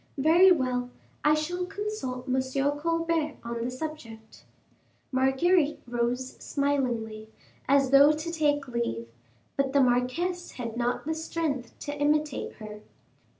Very well, I shall consult M. Colbert on the subject." Marguerite rose smilingly, as though to take leave, but the marquise had not the strength to imitate her.